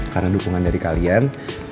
karena dukungan dari kalian